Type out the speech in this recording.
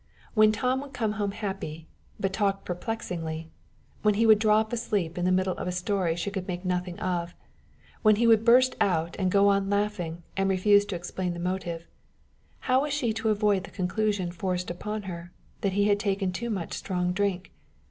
When Tom would come home happy, but talk perplexingly; when he would drop asleep in the middle of a story she could make nothing of; when he would burst out and go on laughing, and refuse to explain the motive how was she to avoid the conclusion forced upon her, that he had taken too much strong drink?